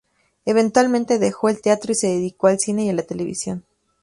Eventualmente dejó el teatro y se dedicó al cine y a la televisión.